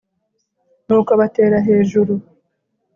nuko batera hejuru